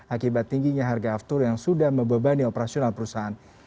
akibat tingginya harga aftur yang sudah membebani operasional perusahaan